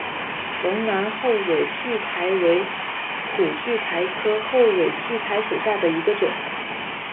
龙南后蕊苣苔为苦苣苔科后蕊苣苔属下的一个种。